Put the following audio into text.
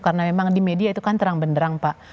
karena memang di media itu kan terang benderang pak